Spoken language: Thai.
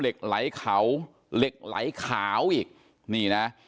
เหล็กไหลเขาเหล็กไหลขาวอีกนี่นะ